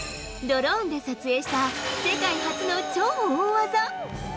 ドローンで撮影した世界初の超大技。